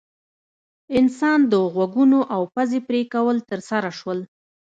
انسان د غوږونو او پزې پرې کول ترسره شول.